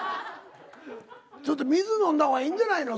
ちょっと水飲んだ方がいいんじゃないの？